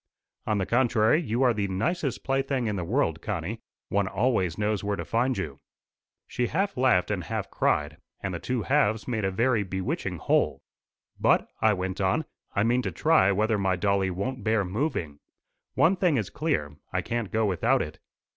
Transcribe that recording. "On the contrary, you are the nicest plaything in the world, Connie. One always knows where to find you." She half laughed and half cried, and the two halves made a very bewitching whole. "But," I went on, "I mean to try whether my dolly won't bear moving. One thing is clear, I can't go without it.